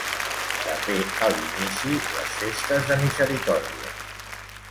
També a l'inici les Festes de Misericòrdia.